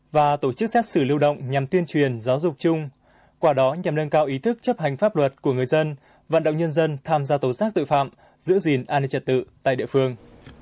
và tổ chức xét xử lưu động nhằm tuyên truyền giáo dục chung qua đó nhằm nâng cao ý thức chấp hành pháp luật của người dân vận động nhân dân tham gia tố xác tội phạm giữ gìn an ninh trật tự tại địa phương